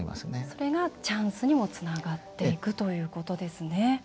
それがチャンスにもつながっていくということですね。